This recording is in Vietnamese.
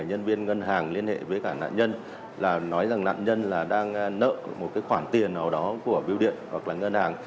nhân viên ngân hàng liên hệ với cả nạn nhân là nói rằng nạn nhân là đang nợ một khoản tiền nào đó của biêu điện hoặc là ngân hàng